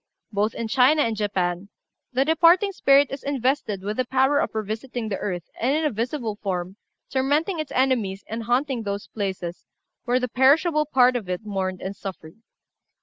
Both in China and Japan the departed spirit is invested with the power of revisiting the earth, and, in a visible form, tormenting its enemies and haunting those places where the perishable part of it mourned and suffered.